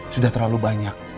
sudah terlalu banyak